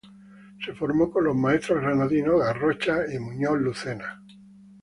Se formó con los maestros granadinos Garrocha y Muñoz Lucena.